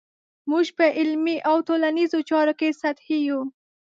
موږ په علمي او ټولنیزو چارو کې سطحي یو.